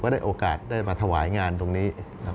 ก็ได้โอกาสได้มาถวายงานตรงนี้